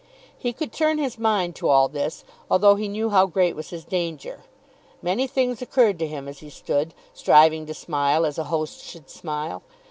He could turn his mind to all this, although he knew how great was his danger. Many things occurred to him as he stood, striving to smile as a host should smile.